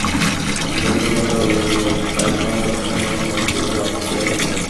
দুজনই শ্রীলঙ্কার অধিনায়ক ছিলেন, তাই সংবাদ সম্মেলনে অনেক বেশিই আসতে হতো।